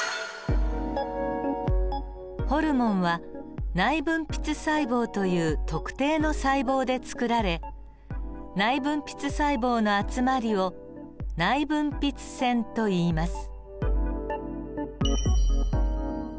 ホルモンは内分泌細胞という特定の細胞でつくられ内分泌細胞の集まりを内分泌腺といいます。